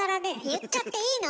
言っちゃっていいの？